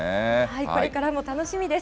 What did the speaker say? これからも楽しみです。